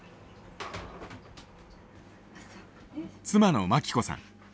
妻の真希子さん。